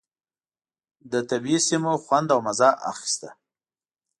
له طبعي سیمو خوند او مزه اخيسته.